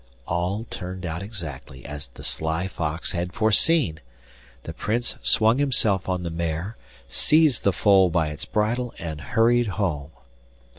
All turned out exactly as the sly fox had foreseen. The Prince swung himself on the mare, seized the foal by its bridle, and hurried home.